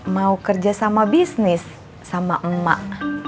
mau kerja sama bisnis sama emak